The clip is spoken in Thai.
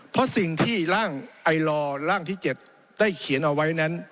เพราะสิ่งที่ร่างไอลอร่างที่๗ได้เขียนเอาไว้นั้น